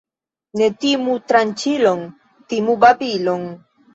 Ne timu tranĉilon, timu babilon.